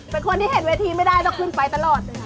เป็นคนที่เห็นเวทีไม่ได้ต้องขึ้นไปตลอดเลยค่ะ